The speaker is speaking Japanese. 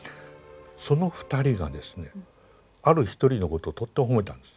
その２人がですねある一人のことをとっても褒めたんです。